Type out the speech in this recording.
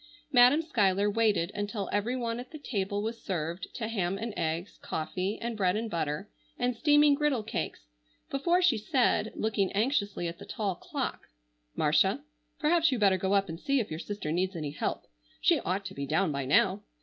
Madam Schuyler waited until every one at the table was served to ham and eggs, coffee and bread and butter, and steaming griddle cakes, before she said, looking anxiously at the tall clock: "Marcia, perhaps you better go up and see if your sister needs any help. She ought to be down by now.